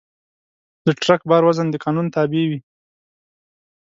د ټرک بار وزن د قانون تابع وي.